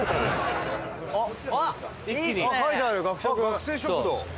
学生食堂！